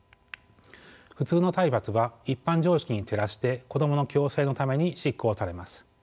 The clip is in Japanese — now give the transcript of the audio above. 普通の体罰は一般常識に照らして子供の矯正のために執行されます。